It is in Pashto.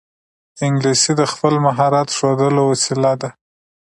انګلیسي د خپل مهارت ښودلو وسیله ده